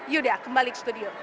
yaudah kembali ke studio